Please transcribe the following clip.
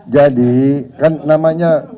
jadi kan namanya